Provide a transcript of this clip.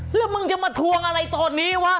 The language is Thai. แล้วมึงจะมาทวงอะไรตอนนี้วะ